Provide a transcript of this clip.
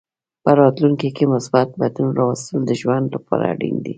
په راتلونکې کې مثبت بدلون راوستل د ژوند لپاره اړین دي.